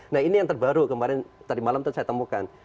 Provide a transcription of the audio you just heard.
nah ini yang terbaru kemarin tadi malam itu saya temukan